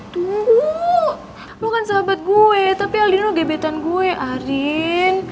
tuh lo kan sahabat gue tapi aldino gebetan gue arin